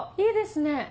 いいですね。